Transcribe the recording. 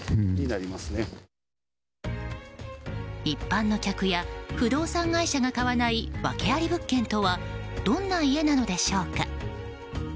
一般の客や不動産会社が買わない訳あり物件とはどんな家なのでしょうか。